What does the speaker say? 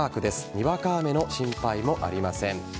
にわか雨の心配もありません。